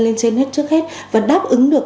lên trên hết trước hết và đáp ứng được